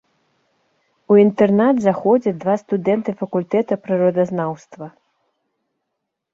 У інтэрнат заходзяць два студэнты факультэта прыродазнаўства.